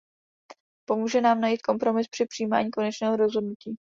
Pomůže nám najít kompromis při přijímání konečného rozhodnutí.